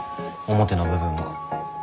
表の部分は。